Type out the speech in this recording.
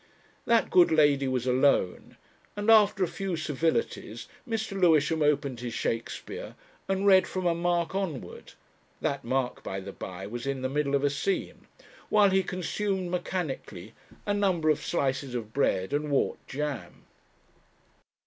That good lady was alone, and after a few civilities Mr. Lewisham opened his Shakespeare and read from a mark onward that mark, by the bye, was in the middle of a scene while he consumed mechanically a number of slices of bread and whort jam.